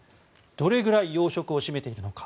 どれぐらい要職を占めているのか。